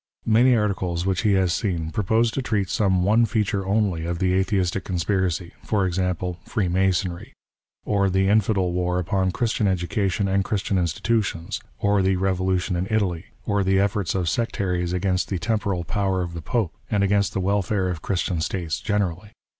Many articles which he has seen, proposed to treat some one feature only of the Atheistic conspiracy — for example, Preemasonry ; or the Infidel war upon Christian education and Christian institutions ; or the Kevolution in Italy ; or the efforts of sectaries against the Temporal Power of the Pope, and against the welfare of Christian States generally.